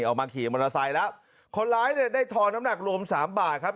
ออกมาขี่มอเตอร์ไซค์แล้วคนร้ายเนี่ยได้ทอนน้ำหนักรวมสามบาทครับ